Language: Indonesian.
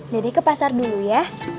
ke pasar dulu ya